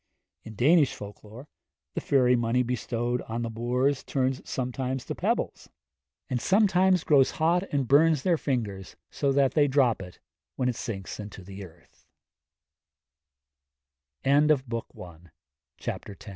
In Danish folk lore, the fairy money bestowed on the boors turns sometimes to pebbles, and sometimes grows hot and burns their fingers, so that they drop it, when it sinks into the earth.